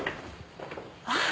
あっ。